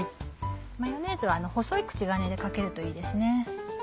マヨネーズは細い口金でかけるといいですね。